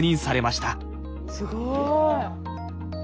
すごい。